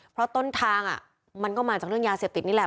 เพราะต้นทางมันก็มาจากเรื่องยาเสพติดนี่แหละ